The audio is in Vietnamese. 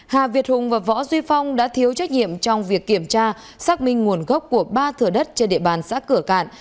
hà việt hùng và võ duy phong đã thiếu trách nhiệm trong việc kiểm tra xác minh nguồn gốc của ba thừa đất trên địa bàn xã cửa cạn